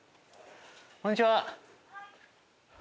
こんにちは。